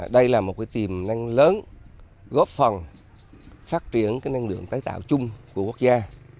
đây là một cái tìm năng lớn góp phòng phát triển cái năng lượng tái tạo chung của quốc gia